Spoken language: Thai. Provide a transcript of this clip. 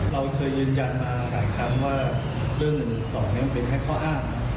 เราเคยยืนยันมาหลายครั้งว่าเรื่องสองนี้มันเป็นแค่ข้ออ้าง